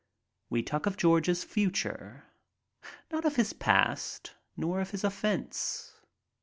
We talk of George's future. Not of his past nor of his offense.